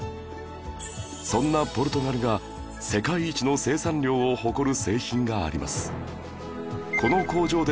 そんなポルトガルが世界一の生産量を誇る製品があります